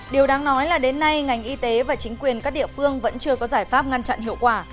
điều đáng nói là đến nay ngành y tế và chính quyền các địa phương vẫn chưa có giải pháp ngăn chặn hiệu quả